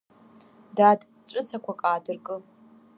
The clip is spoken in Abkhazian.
Дад, ҵәыцақәак аадыркы…